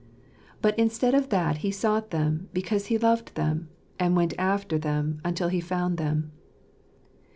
But instead of that he sought them, because he loved them, and went after them until he found them.